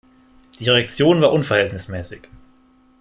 Die Reaktion war unverhältnismäßig.